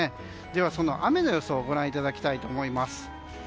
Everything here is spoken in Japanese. では、雨の予想をご覧いただきたいと思います。